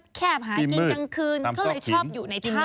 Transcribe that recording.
กินกลางคืนเขาเลยชอบอยู่ในท่ำ